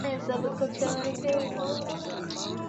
Alikadiria hatua za kutoka aliposimama hadi mapokezi ya hoteli hiyo